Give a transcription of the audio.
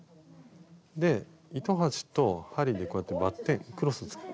で糸端と針でこうやってバッテンクロス作る。